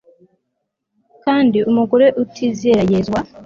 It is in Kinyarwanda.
kandi umugore utizera yezwa